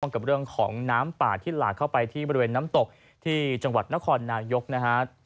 กับเรื่องของน้ำป่าที่หลากเข้าไปที่บริเวณน้ำตกที่จังหวัดนครนายกนะฮะ